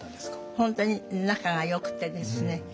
本当に仲がよくてですね。